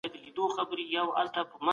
یتیمان ځانګړي پاملرنې ته اړتیا لري.